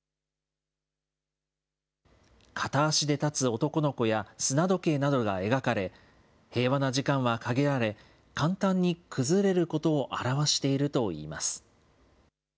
片足で立つ男の子や砂時計などが描かれ、平和な時間は限られ、簡単に崩れることを表しているといいます。